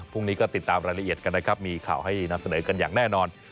พรุ่งนี้ก็ติดตามรายละเอียดกันนะครับมีข่าวให้นำเสนอกันอย่างแน่นอน